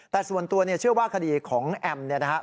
แต่ส่วนตัวเนี่ยเชื่อว่าคดีของแอมเนี่ยนะครับ